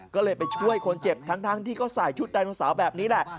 ก็เลยไปช่วยคนเจ็บทั้งที่ก็ใส่ชุดไดโนเสาร์แบบนี้แหละ